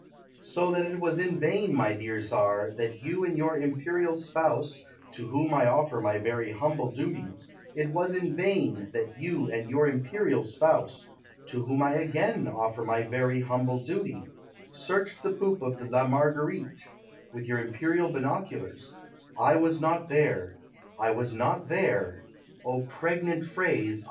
So that it was in vain, my dear Tsar, That you and your Imperial spouse (To whom I offer my very humble duty), It was in vain That you and your Imperial spouse (To whom I again offer my very humble duty) Searched the poop of La Marguerite With your Imperial binoculars; I was not there, I was not there, (O pregnant phrase!)